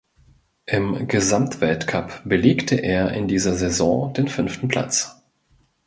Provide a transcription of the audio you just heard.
Im Gesamtweltcup belegte er in dieser Saison den fünften Platz.